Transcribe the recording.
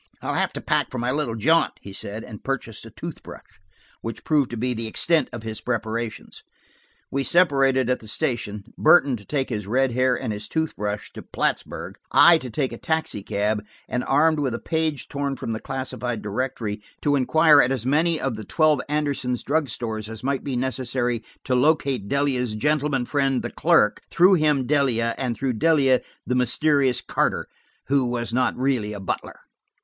"I'll have to pack for my little jaunt," he said, and purchased a tooth brush, which proved to be the extent of his preparations. We separated at the station, Burton to take his red hair and his toothbrush to Plattsburg, I to take a taxicab, and armed with a page torn from the classified directory to inquire at as many of the twelve Anderson's drugstores as might be necessary to locate Delia's gentleman friend, "the clerk," through him Delia, and through Delia, the mysterious Carter, "who was not really a butler."